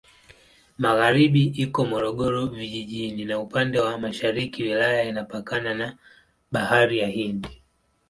Magharibi iko Morogoro Vijijini na upande wa mashariki wilaya inapakana na Bahari ya Hindi.